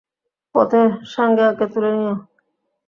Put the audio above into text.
পথে সাঙ্গেয়াকে তুলে নিও।